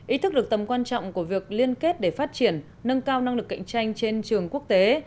ý thức được tầm quan trọng của việc liên kết để phát triển nâng cao năng lực cạnh tranh trên trường quốc tế